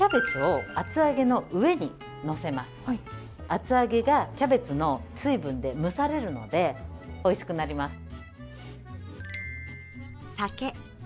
厚揚げがキャベツの水分で蒸されるので、おいしくなります。